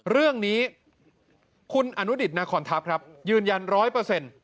เรื่องนี้คุณอนุดิษฐ์นครทัพครับยืนยัน๑๐๐